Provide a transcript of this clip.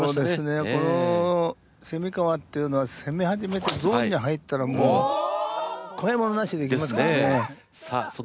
この川っていうのは攻めはじめてゾーンに入ったらもう怖いものなしでいきますからね。ですね。